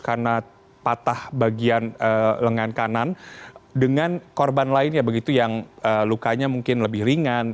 karena patah bagian lengan kanan dengan korban lainnya begitu yang lukanya mungkin lebih ringan